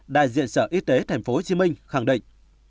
đại diện sở y tế tp hcm khẳng định